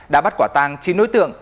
đã bắt quả tang chín đối tượng